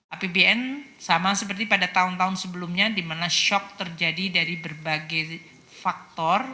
apbn sama seperti pada tahun tahun sebelumnya di mana shock terjadi dari berbagai faktor